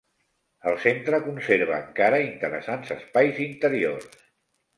El centre conserva encara interessants espais interiors.